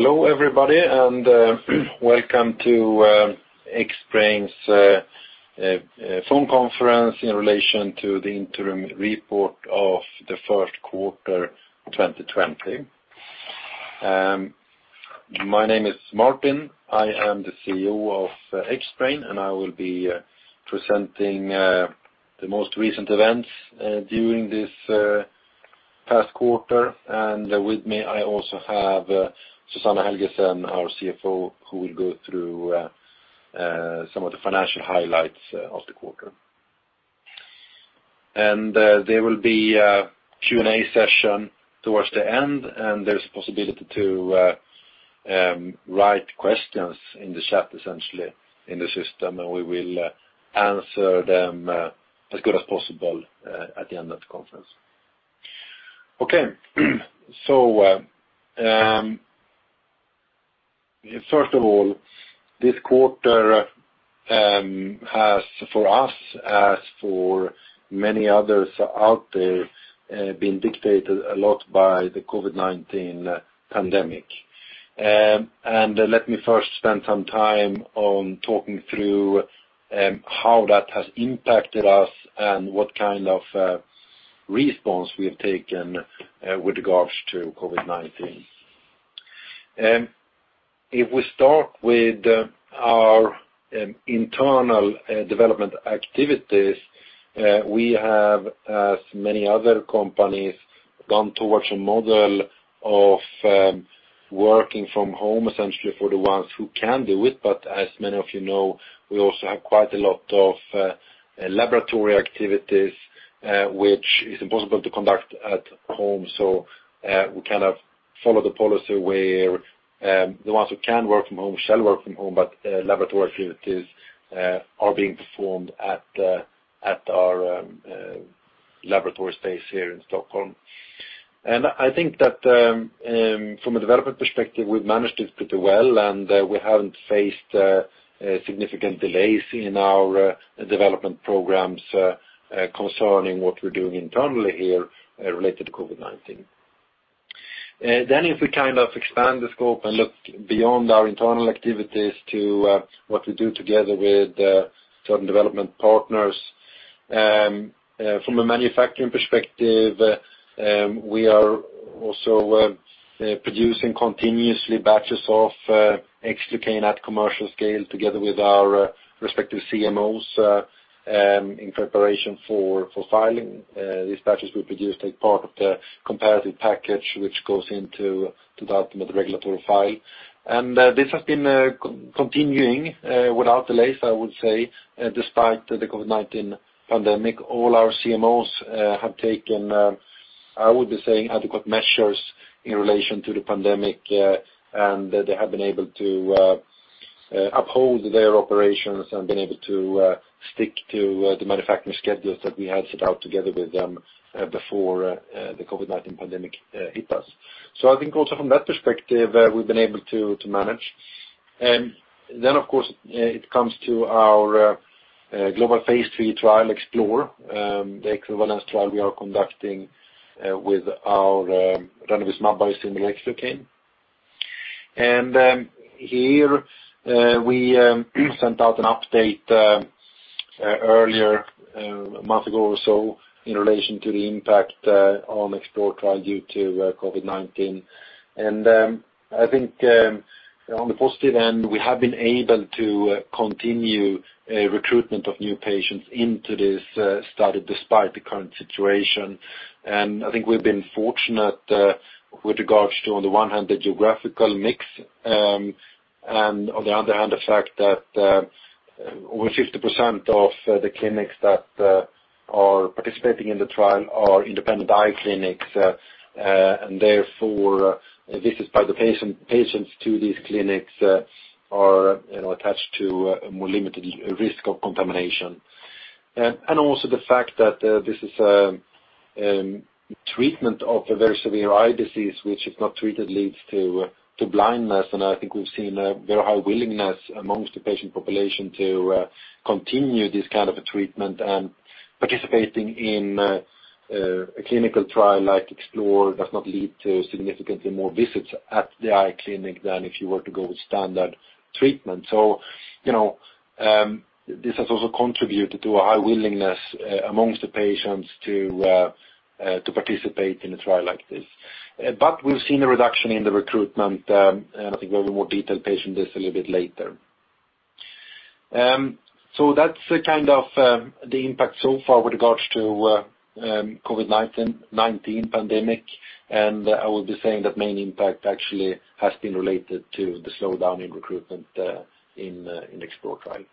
Hello everybody, welcome to Xbrane's phone conference in relation to the interim report of the first quarter 2020. My name is Martin. I am the CEO of Xbrane, and I will be presenting the most recent events during this past quarter. With me, I also have Susanna Helgesen, our CFO, who will go through some of the financial highlights of the quarter. There will be a Q&A session towards the end, and there's a possibility to write questions in the chat, essentially, in the system, and we will answer them as good as possible at the end of the conference. Okay. First of all, this quarter has, for us, as for many others out there, been dictated a lot by the COVID-19 pandemic. Let me first spend some time on talking through how that has impacted us and what kind of response we have taken with regards to COVID-19. If we start with our internal development activities, we have, as many other companies, gone towards a model of working from home, essentially, for the ones who can do it. As many of you know, we also have quite a lot of laboratory activities which is impossible to conduct at home. We kind of follow the policy where the ones who can work from home shall work from home, but laboratory activities are being performed at our laboratory space here in Stockholm. I think that from a development perspective, we've managed it pretty well, and we haven't faced significant delays in our development programs concerning what we're doing internally here related to COVID-19. If we expand the scope and look beyond our internal activities to what we do together with certain development partners. From a manufacturing perspective, we are also producing continuously batches of Xlucane at commercial scale together with our respective CMOs in preparation for filing. These batches we produce take part of the comparative package, which goes into the ultimate regulatory file. This has been continuing without delays, I would say, despite the COVID-19 pandemic. All our CMOs have taken, I would be saying, adequate measures in relation to the pandemic, and they have been able to uphold their operations and been able to stick to the manufacturing schedules that we had set out together with them before the COVID-19 pandemic hit us. I think also from that perspective, we've been able to manage. Of course, it comes to our global phase III trial XPLORE, the equivalence trial we are conducting with our ranibizumab biosimilar Xlucane. Here we sent out an update earlier, a month ago or so, in relation to the impact on XPLORE trial due to COVID-19. I think on the positive end, we have been able to continue recruitment of new patients into this study despite the current situation. I think we've been fortunate with regards to, on the one hand, the geographical mix, and on the other hand, the fact that over 50% of the clinics that are participating in the trial are independent eye clinics. Therefore, visits by the patients to these clinics are attached to a more limited risk of contamination. Also the fact that this is a treatment of a very severe eye disease, which if not treated, leads to blindness. I think we've seen a very high willingness amongst the patient population to continue this kind of a treatment and participating in a clinical trial like XPLORE does not lead to significantly more visits at the eye clinic than if you were to go with standard treatment. This has also contributed to a high willingness amongst the patients to participate in a trial like this. We've seen a reduction in the recruitment, and I think we'll have a more detailed patient list a little bit later. That's the impact so far with regards to COVID-19 pandemic, and I would be saying that main impact actually has been related to the slowdown in recruitment in the XPLORE trial.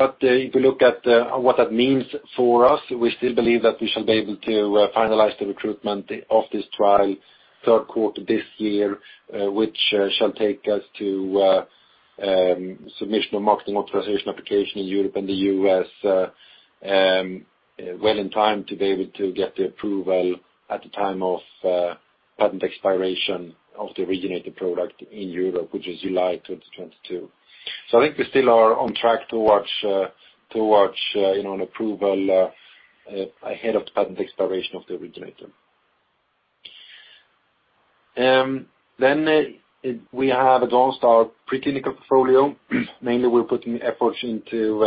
If you look at what that means for us, we still believe that we shall be able to finalize the recruitment of this trial third quarter this year, which shall take us to submission of Marketing Authorization Application in Europe and the U.S. well in time to be able to get the approval at the time of patent expiration of the originator product in Europe, which is July 2022. I think we still are on track towards an approval ahead of the patent expiration of the originator. We have advanced our preclinical portfolio. Mainly, we're putting efforts into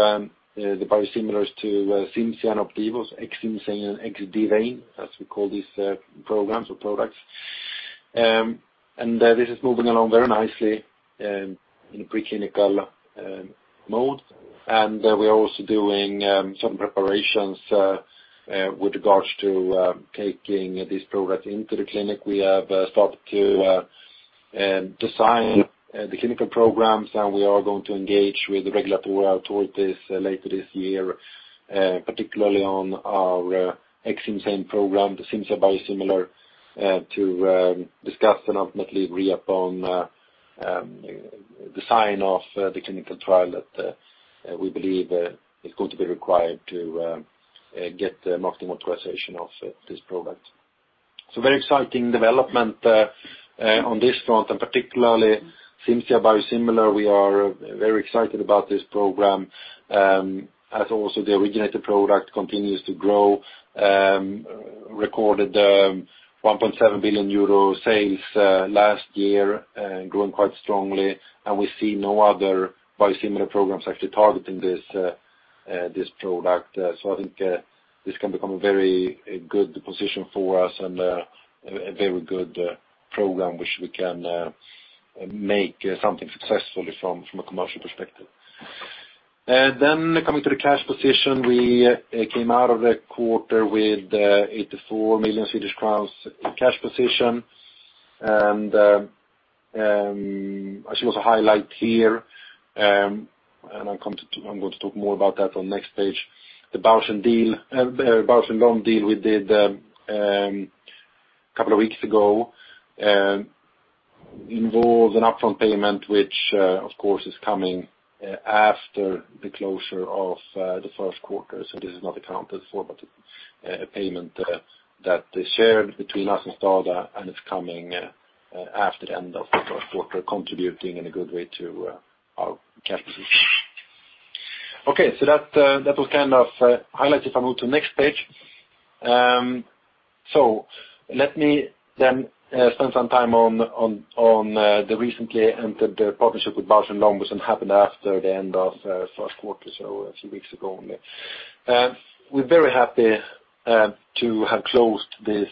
the biosimilars to CIMZIA and Opdivo, Xcimzane and Xdivane, as we call these programs or products. This is moving along very nicely in a preclinical mode. We are also doing some preparations with regards to taking these products into the clinic. We have started to design the clinical programs. We are going to engage with the regulatory authorities later this year, particularly on our Xcimzane program, the CIMZIA biosimilar, to discuss and ultimately agree upon design of the clinical trial that we believe is going to be required to get the market authorization of this product. Very exciting development on this front, and particularly CIMZIA biosimilar. We are very excited about this program, as also the originator product continues to grow. Recorded 1.7 billion euro sales last year, growing quite strongly, and we see no other biosimilar programs actually targeting this product. I think this can become a very good position for us and a very good program, which we can make something successful from a commercial perspective. Coming to the cash position, we came out of the quarter with 84 million Swedish crowns cash position. I see also a highlight here, and I'm going to talk more about that on next page. The Bausch + Lomb deal we did couple of weeks ago involves an upfront payment, which of course is coming after the closure of the first quarter. This is not accounted for, but a payment that is shared between us and STADA, and it's coming after the end of the first quarter, contributing in a good way to our cash position. Okay, that was kind of highlights. If I move to next page. Let me then spend some time on the recently entered partnership with Bausch + Lomb, which happened after the end of first quarter, so a few weeks ago only. We're very happy to have closed this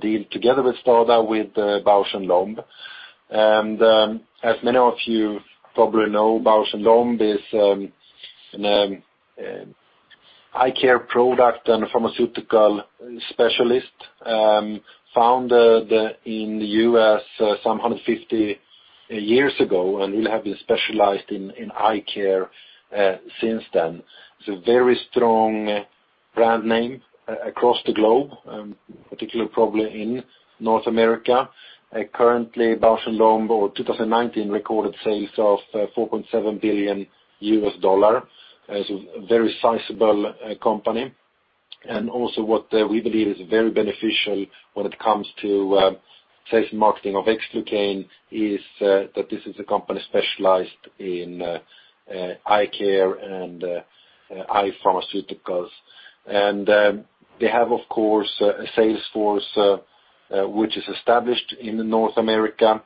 deal together with STADA, with Bausch + Lomb. As many of you probably know, Bausch + Lomb is an eye care product and pharmaceutical specialist, founded in the US some 150 years ago and really have been specialized in eye care since then. It's a very strong brand name across the globe, particularly probably in North America. Currently, Bausch + Lomb or 2019 recorded sales of $4.7 billion. A very sizable company. Also what we believe is very beneficial when it comes to sales and marketing of Xlucane is that this is a company specialized in eye care and eye pharmaceuticals. They have, of course, a sales force which is established in North America.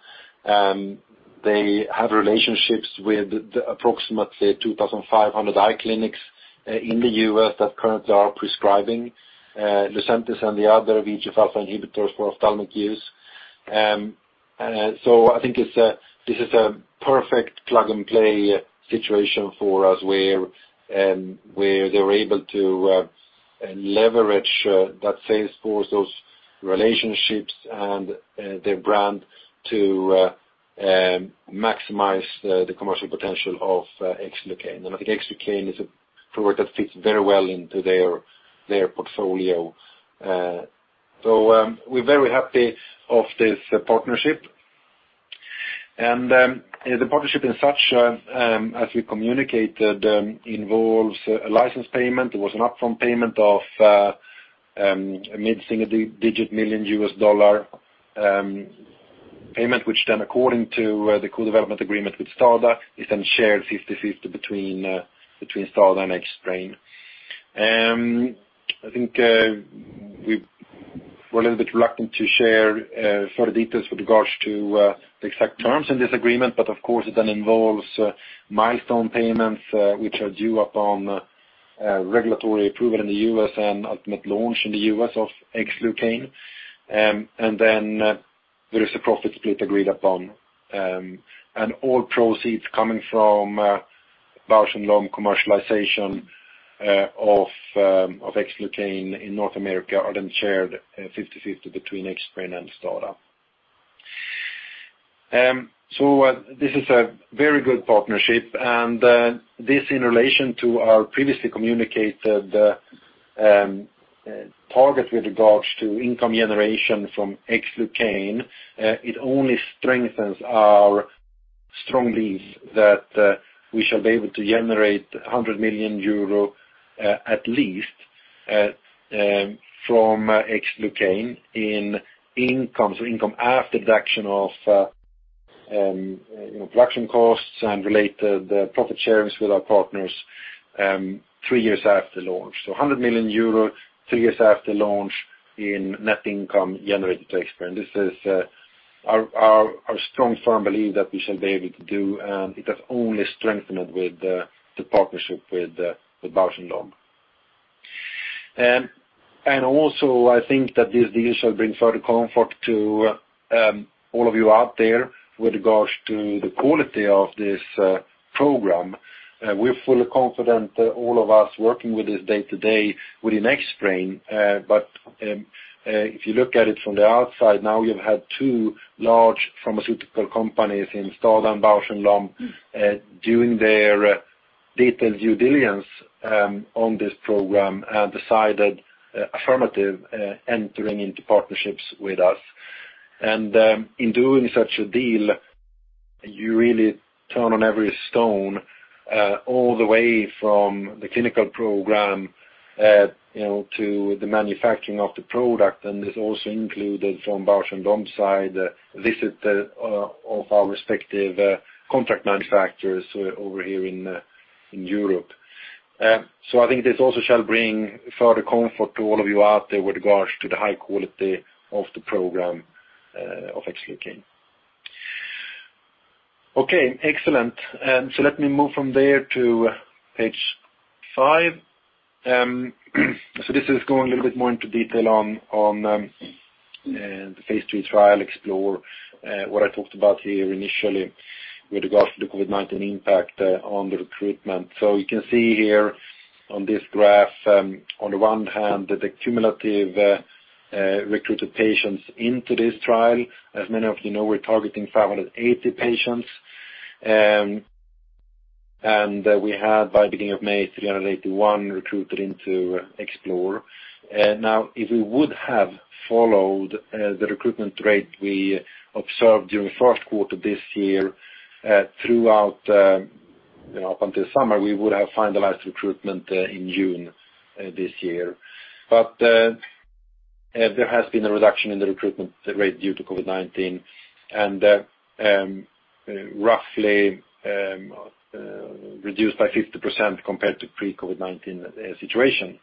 They have relationships with approximately 2,500 eye clinics in the US that currently are prescribing Lucentis and the other VEGF-A inhibitors for ophthalmic use. I think this is a perfect plug-and-play situation for us, where they're able to leverage that sales force, those relationships, and their brand to maximize the commercial potential of Xlucane. I think Xlucane is a product that fits very well into their portfolio. We're very happy of this partnership. The partnership in such, as we communicated, involves a license payment. It was an upfront payment of a mid-single-digit million U.S. dollar payment, which then according to the co-development agreement with STADA, is then shared 50/50 between STADA and Xbrane. I think we were a little bit reluctant to share further details with regards to the exact terms in this agreement. Of course it then involves milestone payments which are due upon regulatory approval in the U.S. and ultimate launch in the U.S. of Xlucane. Then there is a profit split agreed upon. All proceeds coming from Bausch + Lomb commercialization of Xlucane in North America are shared 50/50 between Xbrane and STADA. This is a very good partnership. This in relation to our previously communicated target with regards to income generation from Xlucane. It only strengthens our strongly that we shall be able to generate 100 million euro at least from Xlucane in income. Income after deduction of production costs and related profit shares with our partners three years after launch. 100 million euro three years after launch in net income generated to Xbrane. This is our strong firm belief that we shall be able to do, and it has only strengthened with the partnership with Bausch + Lomb. Also, I think that this deal should bring further comfort to all of you out there with regards to the quality of this program. We're fully confident, all of us working with this day-to-day within Xbrane. If you look at it from the outside, now you've had two large pharmaceutical companies in STADA and Bausch + Lomb doing their detailed due diligence on this program and decided affirmative entering into partnerships with us. In doing such a deal, you really turn on every stone all the way from the clinical program to the manufacturing of the product. This also included from Bausch + Lomb side, visit of our respective contract manufacturers over here in Europe. I think this also shall bring further comfort to all of you out there with regards to the high quality of the program of Xlucane. Excellent. Let me move from there to page five. This is going a little bit more into detail on the phase III trial XPLORE, what I talked about here initially with regards to the COVID-19 impact on the recruitment. You can see here on this graph, on the one hand, the cumulative recruited patients into this trial. As many of you know, we're targeting 580 patients. We had, by beginning of May, 381 recruited into XPLORE. Now, if we would have followed the recruitment rate we observed during the first quarter this year throughout up until summer, we would have finalized recruitment in June this year. There has been a reduction in the recruitment rate due to COVID-19, and roughly reduced by 50% compared to pre-COVID-19 situation.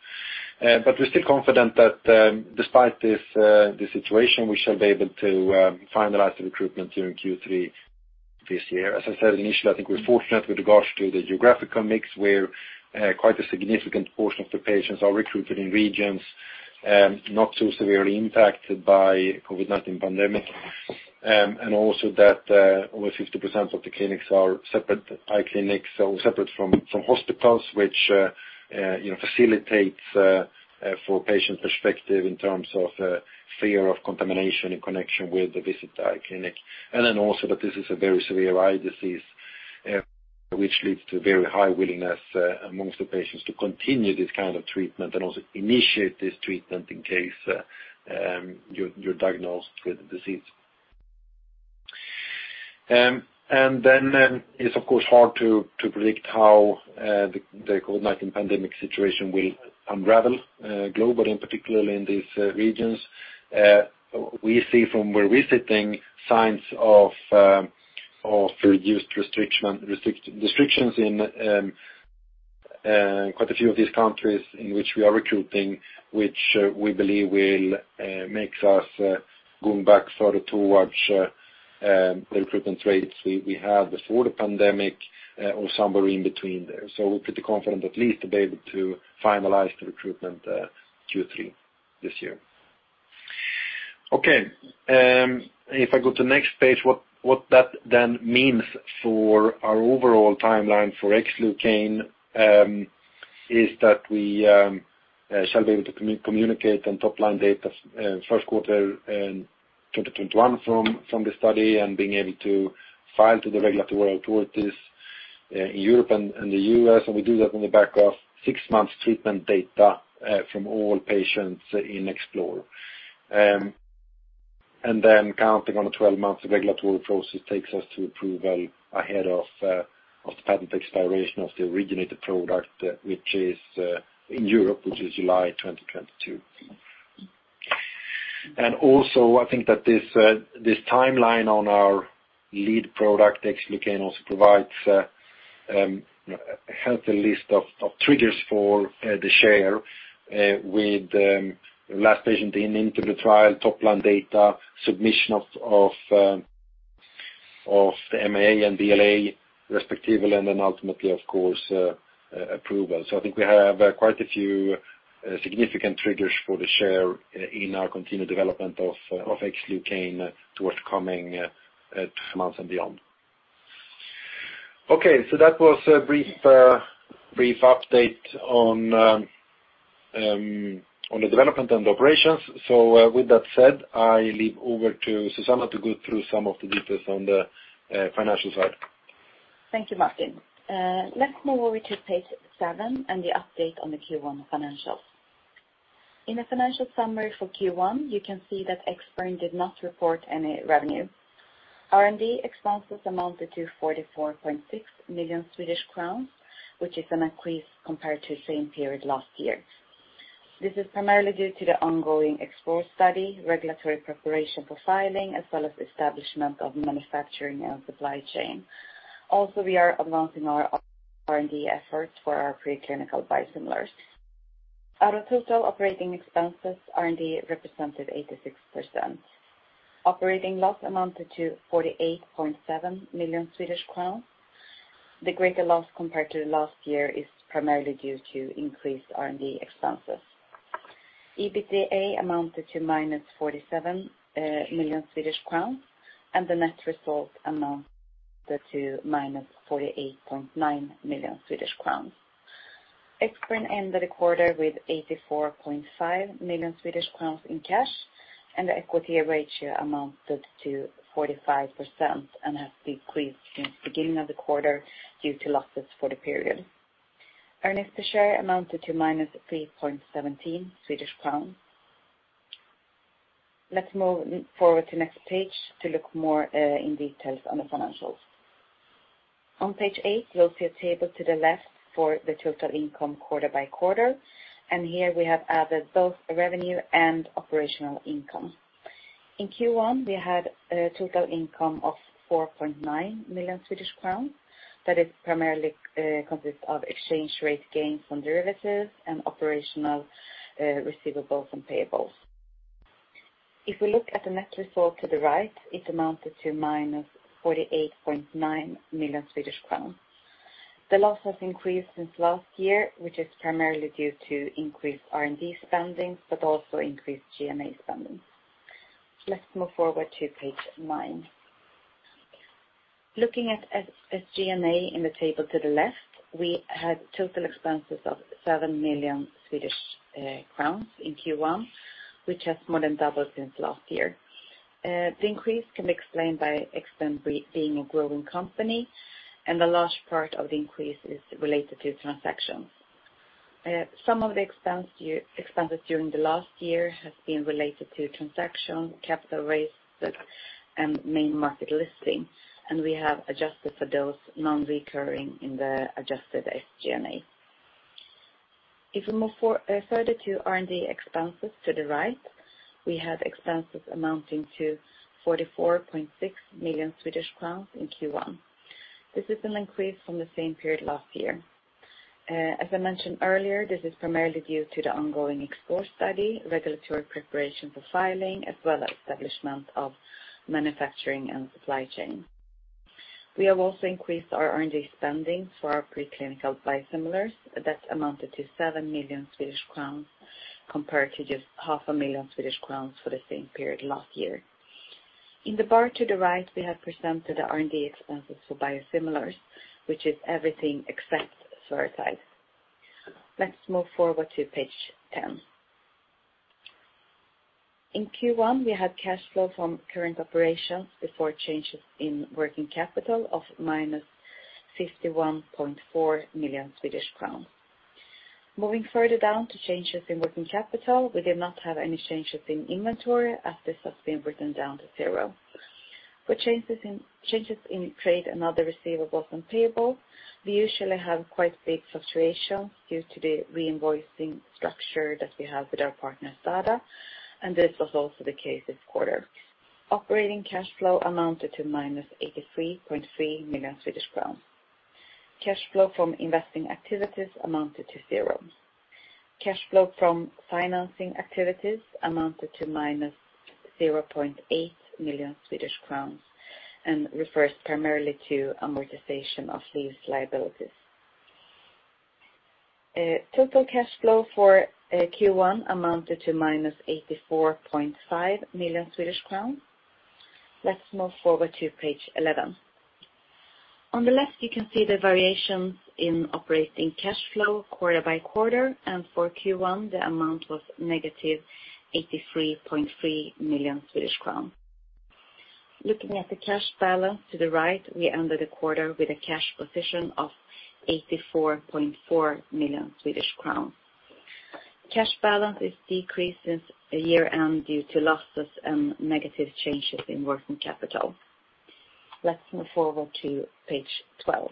We're still confident that despite this situation, we shall be able to finalize the recruitment during Q3 this year. As I said initially, I think we're fortunate with regards to the geographical mix, where quite a significant portion of the patients are recruited in regions not so severely impacted by COVID-19 pandemic. Also that over 50% of the clinics are separate eye clinics, so separate from hospitals, which facilitates for patient perspective in terms of fear of contamination in connection with the visit to eye clinic. Also that this is a very severe eye disease, which leads to very high willingness amongst the patients to continue this kind of treatment and also initiate this treatment in case you're diagnosed with the disease. It's of course hard to predict how the COVID-19 pandemic situation will unravel globally and particularly in these regions. We see from where we're sitting signs of reduced restrictions in quite a few of these countries in which we are recruiting, which we believe will make us going back further towards the recruitment rates we had before the pandemic or somewhere in between there. We're pretty confident at least to be able to finalize the recruitment Q3 this year. Okay. If I go to next page, what that then means for our overall timeline for Xlucane is that we shall be able to communicate on top-line data first quarter 2021 from the study and being able to file to the regulatory authorities in Europe and the U.S. We do that on the back of six months treatment data from all patients in XPLORE. Counting on a 12 months regulatory process takes us to approval ahead of the patent expiration of the originator product, which is in Europe, which is July 2022. Also, I think that this timeline on our lead product, Xlucane, also provides a healthy list of triggers for the share with last patient into the trial, top-line data, submission of the MAA and BLA respectively, ultimately, of course, approval. I think we have quite a few significant triggers for the share in our continued development of Xlucane towards coming months and beyond. Okay, that was a brief update on the development and operations. With that said, I leave over to Susanna to go through some of the details on the financial side. Thank you, Martin. Let's move over to page seven and the update on the Q1 financials. In the financial summary for Q1, you can see that Xbrane did not report any revenue. R&D expenses amounted to 44.6 million Swedish crowns, which is an increase compared to the same period last year. This is primarily due to the ongoing XPLORE study, regulatory preparation for filing, as well as establishment of manufacturing and supply chain. Also, we are advancing our R&D efforts for our preclinical biosimilars. Out of total operating expenses, R&D represented 86%. Operating loss amounted to 48.7 million Swedish crowns. The greater loss compared to last year is primarily due to increased R&D expenses. EBITDA amounted to -47 million Swedish crowns, and the net result amounted to -48.9 million Swedish crowns. Xbrane ended the quarter with 84.5 million Swedish crowns in cash, and the equity ratio amounted to 45% and has decreased since the beginning of the quarter due to losses for the period. Earnings per share amounted to -3.17 Swedish crown. Let's move forward to next page to look more in details on the financials. On page eight, you'll see a table to the left for the total income quarter by quarter, and here we have added both revenue and operational income. In Q1, we had a total income of 4.9 million Swedish crowns that is primarily consist of exchange rate gains on derivatives and operational receivables and payables. If we look at the net result to the right, it amounted to -48.9 million Swedish crowns. The loss has increased since last year, which is primarily due to increased R&D spending, but also increased G&A spending. Let's move forward to page nine. Looking at SG&A in the table to the left, we had total expenses of 7 million Swedish crowns in Q1, which has more than doubled since last year. The increase can be explained by Xbrane being a growing company. A large part of the increase is related to transactions. Some of the expenses during the last year has been related to transaction, capital raise, and main market listing. We have adjusted for those non-recurring in the adjusted SG&A. If we move further to R&D expenses to the right, we have expenses amounting to 44.6 million Swedish crowns in Q1. This is an increase from the same period last year. I mentioned earlier, this is primarily due to the ongoing XPLORE study, regulatory preparation for filing, as well as establishment of manufacturing and supply chain. We have also increased our R&D spending for our preclinical biosimilars. That amounted to 7 million Swedish crowns compared to just half a million SEK for the same period last year. In the bar to the right, we have presented the R&D expenses for biosimilars, which is everything except Spherotide. Let's move forward to page 10. In Q1, we had cash flow from current operations before changes in working capital of -51.4 million Swedish crowns. Moving further down to changes in working capital, we did not have any changes in inventory as this has been written down to zero. For changes in trade and other receivables and payables, we usually have quite big fluctuations due to the reinvoicing structure that we have with our partner STADA, and this was also the case this quarter. Operating cash flow amounted to -83.3 million Swedish crown. Cash flow from investing activities amounted to zero. Cash flow from financing activities amounted to -0.8 million Swedish crowns, and refers primarily to amortization of lease liabilities. Total cash flow for Q1 amounted to -84.5 million Swedish crowns. Let's move forward to page 11. On the left, you can see the variations in operating cash flow quarter by quarter. For Q1, the amount was -83.3 million Swedish crowns. Looking at the cash balance to the right, we ended the quarter with a cash position of 84.4 million Swedish crowns. Cash balance is decreased since year-end due to losses and negative changes in working capital. Let's move forward to page 12.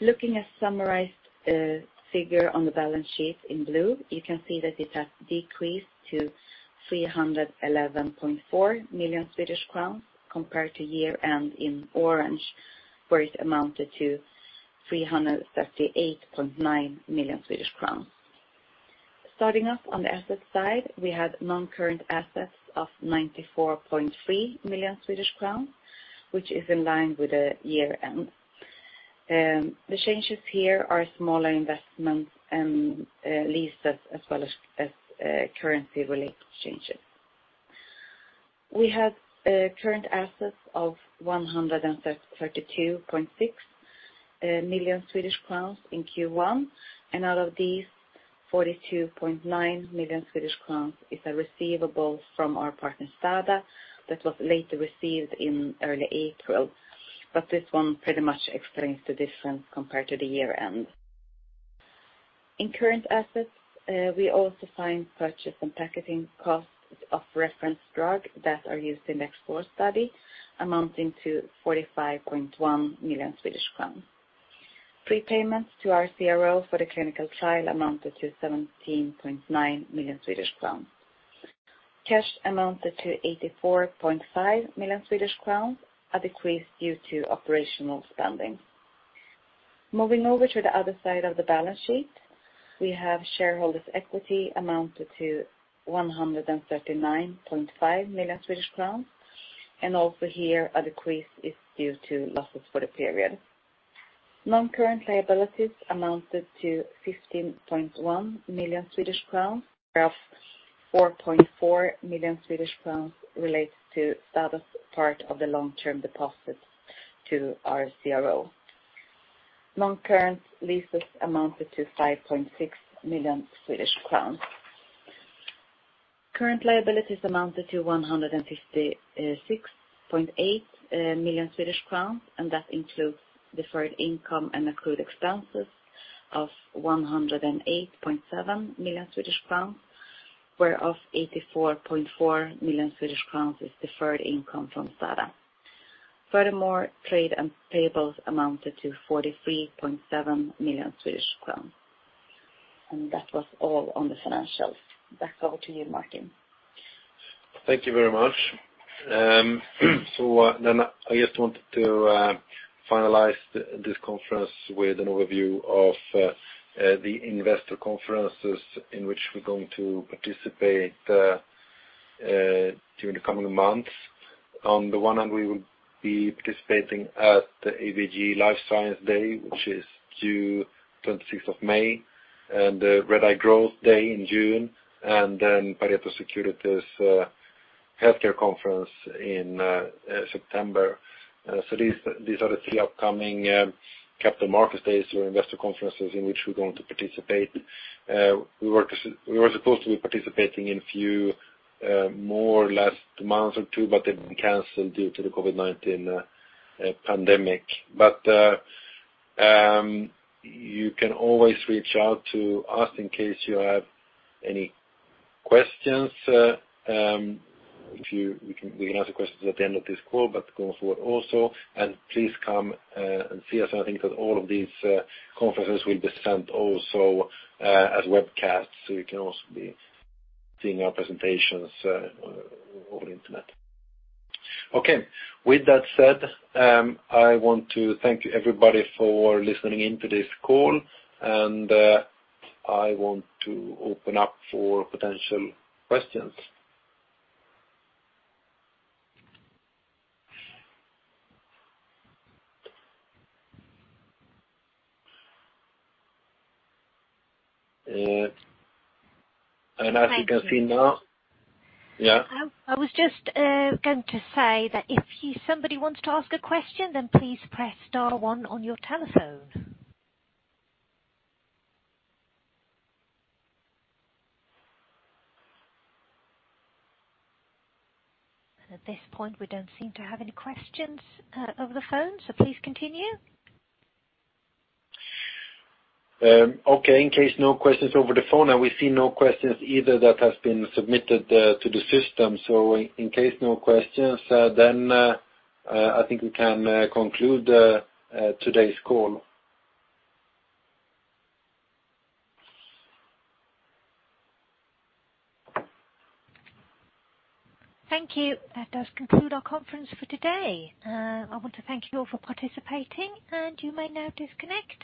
Looking at summarized figure on the balance sheet in blue, you can see that it has decreased to 311.4 million Swedish crowns compared to year-end in orange, where it amounted to 338.9 million Swedish crowns. Starting up on the asset side, we had non-current assets of 94.3 million Swedish crowns, which is in line with the year-end. The changes here are smaller investments and leases as well as currency-related changes. We have current assets of 132.6 million Swedish crowns in Q1, and out of these, 42.9 million Swedish crowns is a receivable from our partner, STADA, that was later received in early April. This one pretty much explains the difference compared to the year-end. In current assets, we also find purchase and packaging costs of reference drugs that are used in the XPLORE study, amounting to 45.1 million Swedish crown. Prepayments to our CRO for the clinical trial amounted to 17.9 million Swedish crowns. Cash amounted to 84.5 million Swedish crowns, a decrease due to operational spending. Moving over to the other side of the balance sheet, we have shareholders' equity amounted to 139.5 million Swedish crowns, also here a decrease is due to losses for the period. Non-current liabilities amounted to 15.1 million Swedish crowns, of 4.4 million Swedish crowns relates to STADA's part of the long-term deposits to our CRO. Non-current leases amounted to 5.6 million Swedish crowns. Current liabilities amounted to 156.8 million Swedish crowns, that includes deferred income and accrued expenses of 108.7 million Swedish crowns, whereof 84.4 million Swedish crowns is deferred income from STADA. Furthermore, trade and payables amounted to 43.7 million Swedish crowns. That was all on the financials. Back over to you, Martin. Thank you very much. I just wanted to finalize this conference with an overview of the investor conferences in which we're going to participate during the coming months. On the one hand, we will be participating at the ABG Life Science Day, which is due 26th of May, and the Redeye Growth Day in June, Pareto Securities Healthcare Conference in September. These are the three upcoming capital market days or investor conferences in which we're going to participate. We were supposed to be participating in few more last months or two, they've been canceled due to the COVID-19 pandemic. You can always reach out to us in case you have any questions. We can answer questions at the end of this call, going forward also. Please come and see us. I think that all of these conferences will be sent also as webcasts, so you can also be seeing our presentations over the internet. Okay, with that said, I want to thank everybody for listening in to this call, and I want to open up for potential questions. As you can see now. I was just going to say that if somebody wants to ask a question, then please press star one on your telephone. At this point, we don't seem to have any questions over the phone, so please continue. Okay. In case no questions over the phone, we see no questions either that have been submitted to the system. In case no questions, I think we can conclude today's call. Thank you. That does conclude our conference for today. I want to thank you all for participating, and you may now disconnect.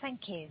Thank you